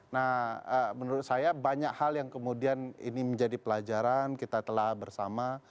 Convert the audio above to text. nah menurut saya banyak hal yang kemudian ini menjadi pelajaran kita telah bersama